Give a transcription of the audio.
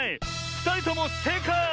ふたりともせいかい！